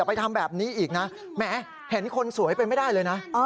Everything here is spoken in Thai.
ไปทำแบบนี้อีกนะแหมเห็นคนสวยไปไม่ได้เลยนะ